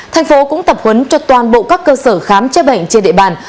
thành phố cũng tập huấn cho toàn bộ các cơ sở khám chữa bệnh trên địa bàn